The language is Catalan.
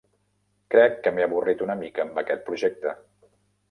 Crec que m'he avorrit una mica amb aquest projecte.